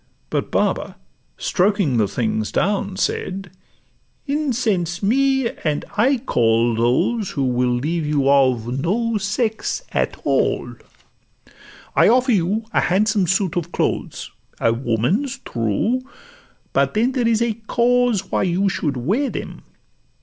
But Baba, stroking The things down, said, 'Incense me, and I call Those who will leave you of no sex at all. 'I offer you a handsome suit of clothes: A woman's, true; but then there is a cause Why you should wear them.